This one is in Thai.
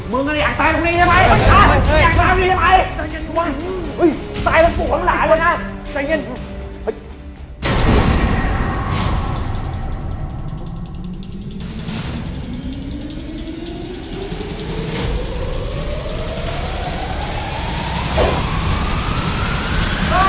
มึงก็จะอยากตายตรงนี้ไงวะ